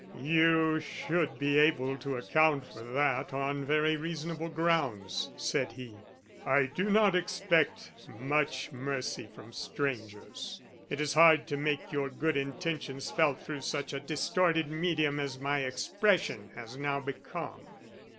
"You should be able to account for that on very reasonable grounds," said he. "I do not expect much mercy from strangers. It is hard to make your good intentions felt through such a distorted medium as my expression has now become."